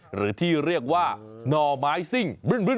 หรือที่เรียกว่าหน่อไม้ซิ่ง